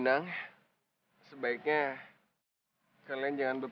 kang jalu mana ya